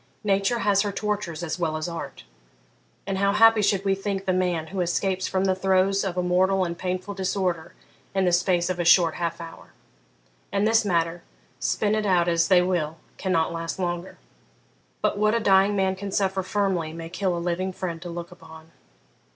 'Nature has her tortures as well as art, and how happy should we think the man who escapes from the throes of a mortal and painful disorder in the space of a short half hour? And this matter, spin it out as they will, cannot last longer. But what a dying man can suffer firmly may kill a living friend to look upon.